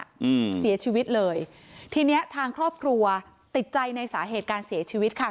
อืมเสียชีวิตเลยทีเนี้ยทางครอบครัวติดใจในสาเหตุการเสียชีวิตค่ะ